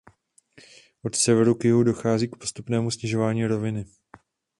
Od severu k jihu dochází k postupnému snižování roviny.